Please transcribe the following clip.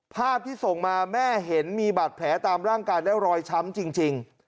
ภาพที่ส่งมาแม่เห็นมีบาดแผลตามร่างกายและรอยช้ำจริง